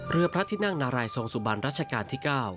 เรือพระที่นั่งนารายทรงสุบันรัชกาลที่๙